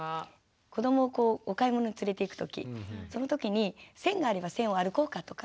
子どもをお買い物に連れていく時その時に線があれば線を歩こうかとか。